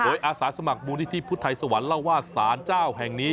โดยอาสาสมัครมูลนิธิพุทธไทยสวรรค์เล่าว่าสารเจ้าแห่งนี้